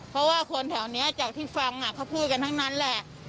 เพราะว่าคนแถวนี้จากที่ฟังเขาพูดกันทั้งนั้นแหละ